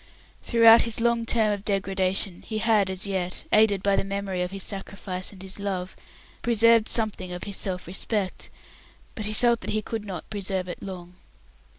Throughout his long term of degradation he had, as yet, aided by the memory of his sacrifice and his love, preserved something of his self respect, but he felt that he could not preserve it long.